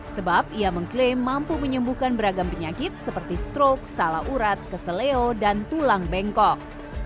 sebab ia mengklaim mampu menyembuhkan beragam penyakit seperti stroke salah urat keseleo dan tulang bengkok